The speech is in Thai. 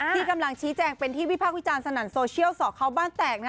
ที่กำลังชี้แจงเป็นที่วิพากษ์วิจารณสนั่นโซเชียลสอเขาบ้านแตก